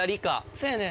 そやねん。